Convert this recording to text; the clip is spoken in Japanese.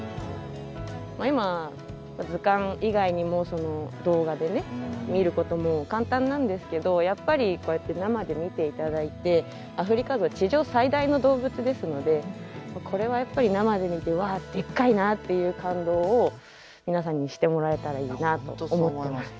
今図鑑以外にも動画で見ることも簡単なんですけどやっぱりこうやって生で見て頂いてアフリカゾウ地上最大の動物ですのでこれはやっぱり生で見て「わあっでっかいな」っていう感動を皆さんにしてもらえたらいいなと思ってます。